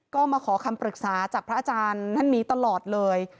ก็มาขอคำปรึกษาจากพระอาจารย์ท่านนี้ตลอดเลย